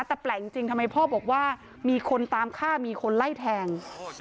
แต่แปลกจริงทำไมพ่อบอกว่ามีคนตามฆ่ามีคนไล่แทง